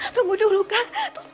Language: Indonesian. tunggu dulu kan